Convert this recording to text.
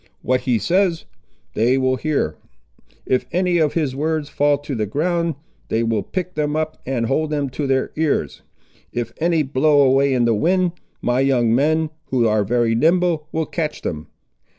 What he says, they will hear. If any of his words fall to the ground, they will pick them up and hold them to their ears. If any blow away in the wind, my young men, who are very nimble, will catch them.